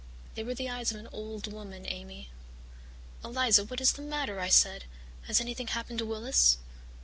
They were the eyes of an old woman, Amy. "'Eliza, what is the matter?' I said. 'Has anything happened to Willis?'